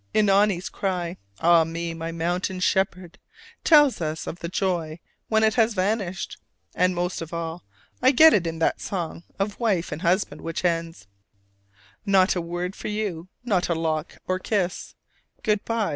Oenone's cry, "Ah me, my mountain shepherd," tells us of the joy when it has vanished, and most of all I get it in that song of wife and husband which ends: "Not a word for you, Not a lock or kiss, Good by.